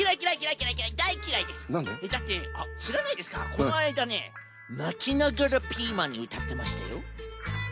このあいだねなきながらピーマンにうたってましたよ。